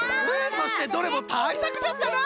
そしてどれもたいさくじゃったな！